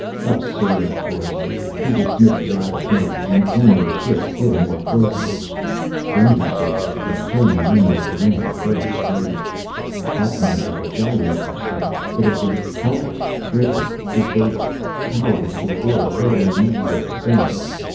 Absurd, of course: he dismissed the idle fancy and examined the ship still more closely. Then he saw that it was turning, end over end, very slowly. That meant that its gyros were stopped; that it was helpless, drifting, disabled, powerless to avoid hurtling meteoric stones.